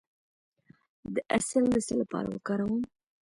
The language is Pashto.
د عسل د څه لپاره وکاروم؟